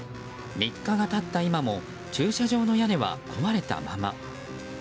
３日が経った今も駐車場の屋根は壊れたまま。